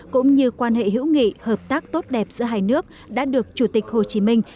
cũng như quan hệ hữu nghị hợp tác tốt đẹp giữa hai nước đã được chủ tịch hồ chí minh